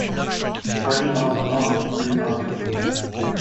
Brady also owned three properties.